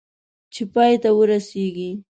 چې پای ته ورسېږي .